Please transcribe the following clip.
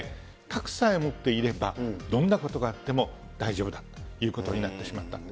核さえ持っていれば、どんなことがあっても大丈夫だということになってしまった。